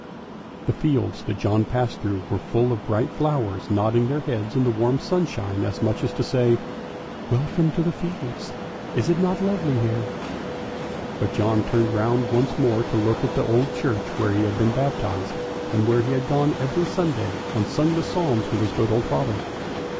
" The fields that John passed through were full of bright flowers nodding their heads in the warm sunshine as much as to say, THE TRAVELLING COMPANIONS 367 " Welcome into the fields! Is it not lovely here? " but John turned round once more to look at the old church where he had been baptised, and where he had gone every Sunday and sung the psalms with his good old father.